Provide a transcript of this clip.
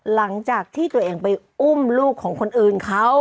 หลังจากที่ตัวเองไปอุ้มลูกของคนอื่นเขา